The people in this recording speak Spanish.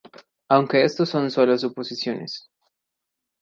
Aunque esto son solo suposiciones.